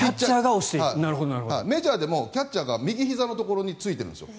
メジャーでもキャッチャーが右ひざのところに着いてるんですよ。